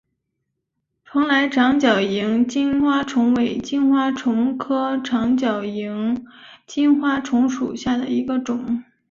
蓬莱长脚萤金花虫为金花虫科长脚萤金花虫属下的一个种。